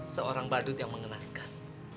seorang badut yang mengenaskan